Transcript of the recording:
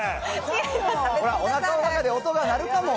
おなかの中で音が鳴るかも。